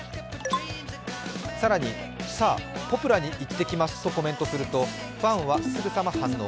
更に、さあポプラに行ってきますとコメントすると、ファンはすぐさま反応。